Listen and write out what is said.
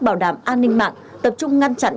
bảo đảm an ninh mạng tập trung ngăn chặn